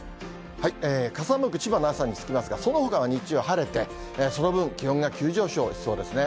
傘マーク、千葉の朝につきますが、そのほかは日中は晴れて、その分、気温が急上昇しそうですね。